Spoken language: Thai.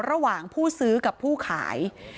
ระหว่างผู้ซื้อกับผู้ขาย